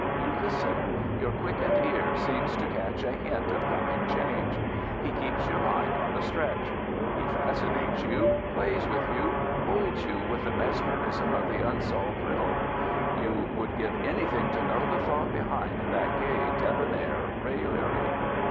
You listen. Your quickened ear seems to catch a hint of coming change. He keeps your mind on the stretch. He fascinates you, plays with you, holds you with the mesmerism of the unsolved riddle. You would give anything to know the thought behind that gay, debonair raillery.